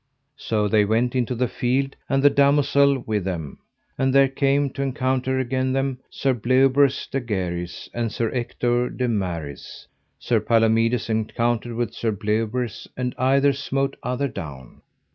So they went into the field, and the damosel with them; and there came to encounter again them Sir Bleoberis de Ganis, and Sir Ector de Maris. Sir Palomides encountered with Sir Bleoberis, and either smote other down.